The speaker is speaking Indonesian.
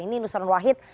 ini nusron wahid